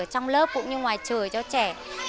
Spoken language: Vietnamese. trong lớp cũng như ngoài trường cho trẻ